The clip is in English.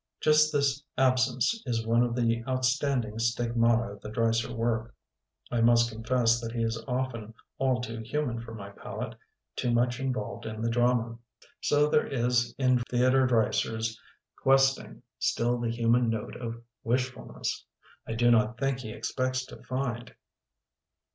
Just this absence is one of the outstanding stigmata of the Dreiser work. I must confess that he is often all too human for my palate, too much involved in the drama. So there is in Theodore Dreiser'^ questing still the huinan note of wish fulness. I do not think he expects to find.